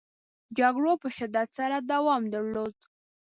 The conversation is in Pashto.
جګړو په شدت سره دوام درلوده.